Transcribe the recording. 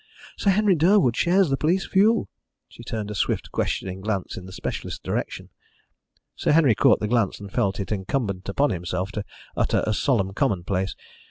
Sir Henry Durwood shares the police view." She turned a swift questioning glance in the specialist's direction. Sir Henry caught the glance, and felt it incumbent upon himself to utter a solemn commonplace.